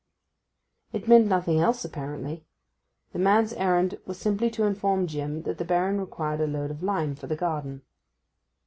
It meant nothing else, apparently. The man's errand was simply to inform Jim that the Baron required a load of lime for the garden.